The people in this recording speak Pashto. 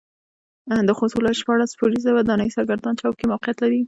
د خوست ولايت شپاړس پوړيزه وداني سرګردان چوک کې موقعيت لري.